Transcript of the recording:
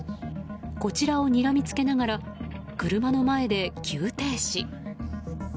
こちらをにらみつけながら車の前で急停止。